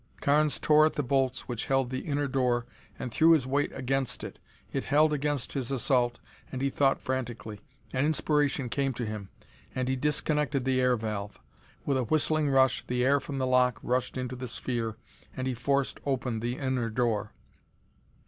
Carnes tore at the bolts which held the inner door and threw his weight against it. It held against his assault, and he thought frantically. An inspiration came to him, and he disconnected the air valve. With a whistling rush, the air from the lock rushed into the sphere and he forced open the inner door.